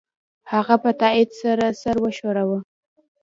هغه په تایید سره سر وښوراوه